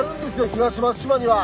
東松島には。